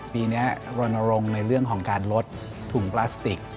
ปีนี้รณรงค์ในเรื่องของการลดถุงพลาสติก